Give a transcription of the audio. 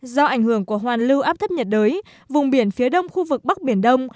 do ảnh hưởng của hoàn lưu áp thấp nhiệt đới vùng biển phía đông khu vực bắc biển đông